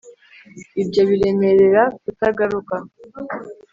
Ibyo biremerera kutagaruka